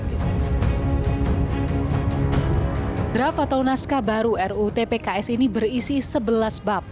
draft atau naskah baru rutpks ini berisi sebelas bab